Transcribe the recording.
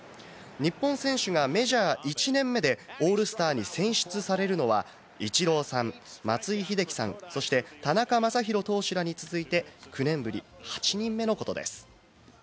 日本選手がメジャー１年目でオールスターに選出されるのはイチローさん、松井秀喜さん、そして田中将大投手らに続いて９年ぶり８人目のことです。